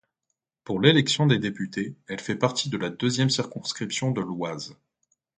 Pour l'élection des députés, elle fait partie de la deuxième circonscription de l'Oise.